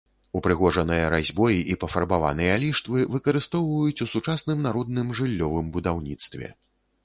Упрыгожаныя разьбой і пафарбаваныя ліштвы выкарыстоўваюць у сучасным народным жыллёвым будаўніцтве.